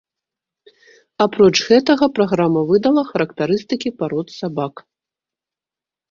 Апроч гэтага, праграма выдала характарыстыкі парод сабак.